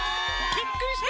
びっくりした！